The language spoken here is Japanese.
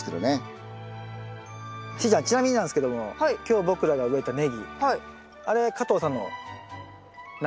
しーちゃんちなみになんですけども今日僕らが植えたネギあれ加藤さんの苗。